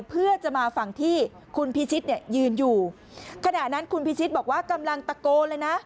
เพื่อจะมาฝั่งที่คุณพิชิตเนี่ยยืนอยู่ขณะนั้นคุณพิชิตบอกว่ากำลังตะโกนเลยนะ